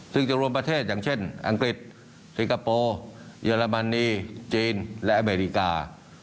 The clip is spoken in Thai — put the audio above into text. ซึ่งจะรวมประเทศอย่างเช่นอังกฤษสิงคโปร์เยอรมนีจีนและอเมริกา